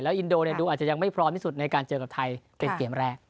แล้วอินโดรีเซียดูอาจจะยังไม่พร้อมที่สุดในการเจอกับไทยเป็นเกี่ยวแรก